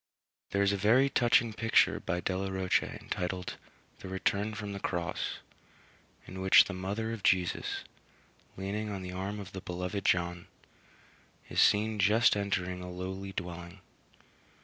There is a very touching picture by Delaroche entitled "The Return from the Cross," in which the mother of Jesus, leaning on the arm of the beloved John, is seen just entering a lowly dwelling.